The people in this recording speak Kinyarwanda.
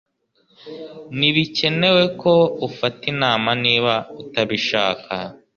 Ntibikenewe ko ufata inama niba utabishaka.